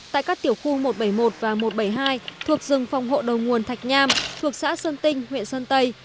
tại các tiểu khu một trăm bảy mươi một và một trăm bảy mươi hai thuộc rừng phòng hộ đầu nguồn thạch nham thuộc xã sơn tinh huyện sơn tây